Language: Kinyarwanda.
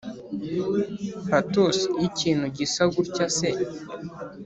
patos yikintu gisa gutya se